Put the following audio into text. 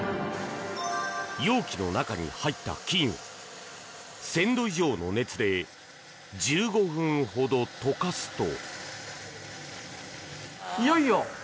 容器の中に入った金を１０００度以上の熱で１５分ほど溶かすと。